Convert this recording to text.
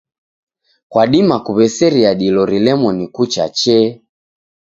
Kwadima kuw'eseria dilo rilemo ni kucha chee.